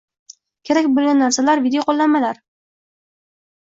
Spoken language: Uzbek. Kerak bo‘lgan narsalar – videoqo‘llanmalar